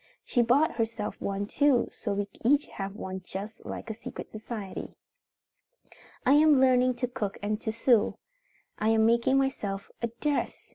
She bought herself one too so we each have one just like a secret society. "I am learning to cook and to sew. I am making myself a dress.